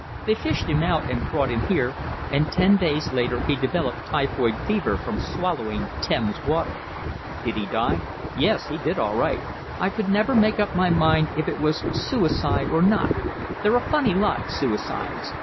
They fished him out and brought him here, and ten days later he developed typhoid fever from swallowing Thames water." "Did he die?" "Yes, he did all right. I could never make up my mind if it was suicide or not…. They're a funny lot, suicides.